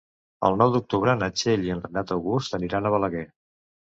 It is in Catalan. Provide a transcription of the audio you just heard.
El nou d'octubre na Txell i en Renat August aniran a Balaguer.